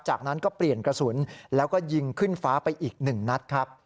จากนั้นก็เปลี่ยนกระสุนแล้วก็ยิงขึ้นฟ้าไปอีก๑นัดครับ